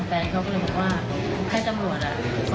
มันจอดอย่างง่ายอย่างง่ายอย่างง่ายอย่างง่าย